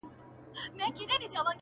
پټیږي که امي دی که مُلا په کرنتین کي-